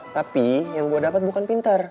tapi yang gue dapet bukan pinter